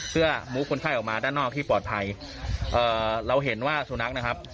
เพื่อมุคนไข้ออกมาด้านนอกที่ปลอดภัยเอ่อเราเห็นว่าสุนัขนะครับ